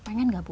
ingin tidak bu